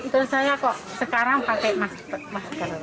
terus saya kok sekarang pakai masker